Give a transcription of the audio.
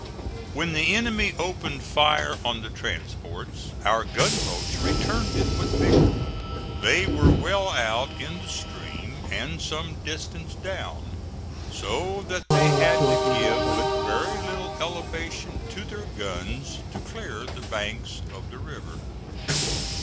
When the enemy opened fire on the transports our gunboats returned it with vigor. They were well out in the stream and some distance down, so that they had to give but very little elevation to their guns to clear the banks of the river.